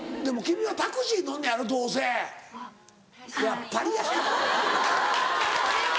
やっぱりや。